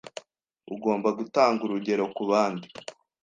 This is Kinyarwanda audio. Ugomba gutanga urugero kubandi.